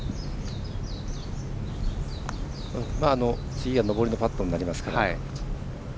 次は上りのパットになりますから。